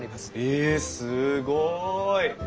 えすごい！